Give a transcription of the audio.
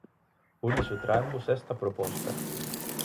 Por iso traemos esta proposta.